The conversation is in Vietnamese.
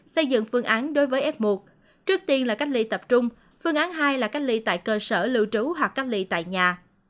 xây dựng phương án đối với f một trước tiên là cách ly tập trung phương án hai là cách ly tại cơ sở lưu trú hoặc cách ly tại nhà